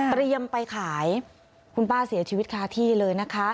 ไปขายคุณป้าเสียชีวิตคาที่เลยนะคะ